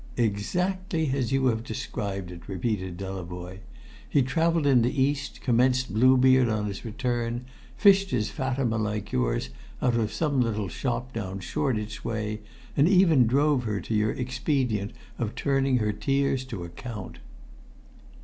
"Exactly as you have described it," repeated Delavoye. "He travelled in the East, commenced Bluebeard on his return, fished his Fatima like yours out of some little shop down Shoreditch way, and even drove her to your own expedient of turning her tears to account!"